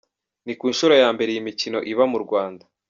Ni ku nshuro ya mbere iyi mikino iba mu Rwanda.